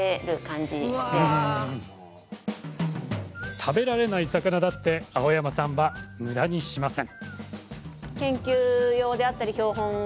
食べられない魚だって青山さんはむだにしません。